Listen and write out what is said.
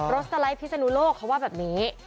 สไลด์พิศนุโลกเขาว่าแบบนี้